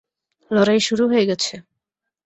লড়াই শুরু হয়ে গেছে!